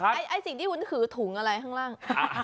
ไอ้สิ่งที่วุ้นถือถุงอะไรข้างล่าง